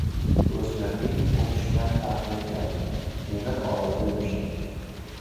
• O‘smirning o‘qishdan aqli kiradi, temir olovda yumshaydi.